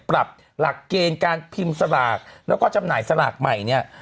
หลักเกณฑ์การพิมพ์สลากแล้วก็จำหน่ายสลากใหม่เนี่ย